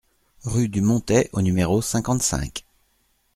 Rue du Montais au numéro cinquante-cinq